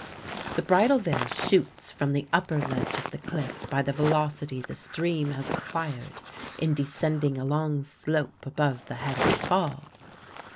The Bridal Veil shoots from the upper ledge of the cliff by the velocity the stream has acquired in descending a long slope above the head of the fall.